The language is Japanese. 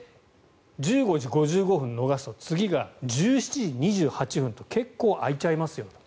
１５時５５分を逃すと次が１７時２８分と結構、空いちゃいますよと。